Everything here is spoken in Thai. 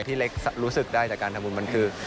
ที่เล็กรู้สึกได้จากการทำบุญมันคือ